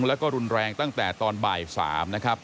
แล้วก็รุนแรงตั้งแต่ตอนบ่าย๓นะครับ